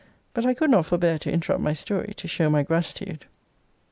but I could not forbear to interrupt my story, to show my gratitude.